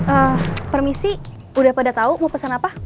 ehm permisi udah pada tau mau pesen apa